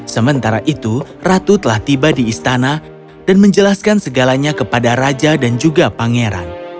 sementara itu ratu telah tiba di istana dan menjelaskan segalanya kepada raja dan juga pangeran